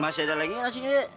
masih ada lagi nggak sih